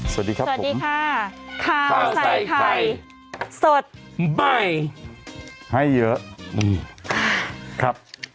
สวัสดีครับสวัสดีค่ะข้าวใส่ไข่สดใหม่ให้เยอะครับ